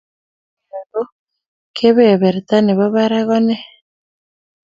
Anda kikinyor ko kebeberta nebo barak kone?